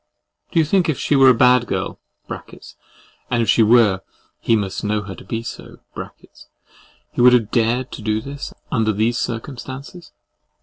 Do you think if she were a bad girl (and if she were, he must know her to be so) he would have dared to do this, under these circumstances?